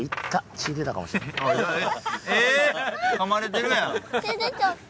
血出ちゃった。